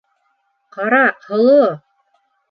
Ҡара һоло!